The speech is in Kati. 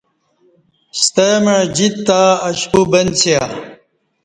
ستہ مع جیت تہ اشپو بنڅیا